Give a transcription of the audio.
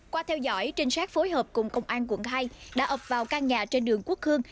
qua theo dõi trinh sát phối hợp cùng công an quận hai đã ập vào căn nhà trên đường quốc hương